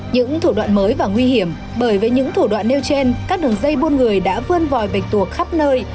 những thủ đoạn mới và nguy hiểm bởi với những thủ đoạn nêu trên các đường dây buôn người đã vươn vòi bạch tuộc khắp nơi